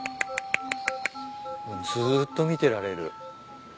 ずっと見てられる。